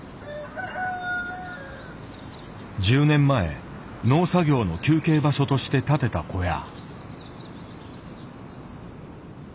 １０年前農作業の休憩場所として建てた小屋。